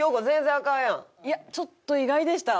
いやちょっと意外でした。